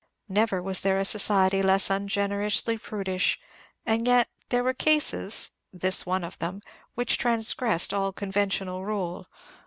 Never was there a society less ungenerously prudish, and yet there were cases this, one of them which transgressed all conventional rule.